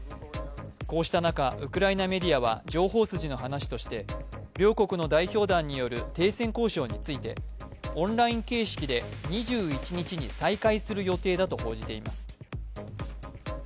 こうした中、ウクライナメディアは情報筋の話として、両国の代表団による停戦交渉についてオンライン形式で２１日に再開する予定だと報じています。